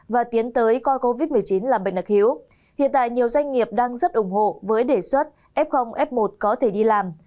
và tiến tới coi covid một mươi chín là bệnh đặc hiếu hiện tại nhiều doanh nghiệp đang rất ủng hộ với đề xuất f f một có thể đi làm